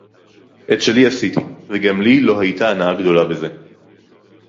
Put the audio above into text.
אֶת שלי עשיתי, וגם לי לא היתה הנאה גדולה בזה